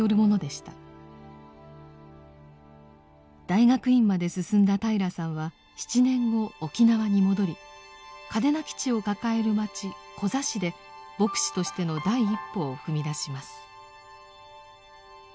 大学院まで進んだ平良さんは７年後沖縄に戻り嘉手納基地を抱える街コザ市で牧師としての第一歩を踏み出します。